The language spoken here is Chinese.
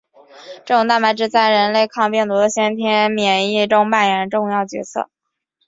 这种蛋白质在人类抗病毒的先天免疫中扮演着重要角色。